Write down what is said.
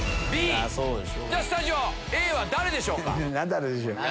じゃあスタジオＡは誰でしょうか？